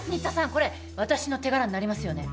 これ私の手柄になりますよね？